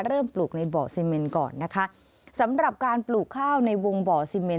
ปลูกในบ่อซีเมนก่อนนะคะสำหรับการปลูกข้าวในวงบ่อซีเมน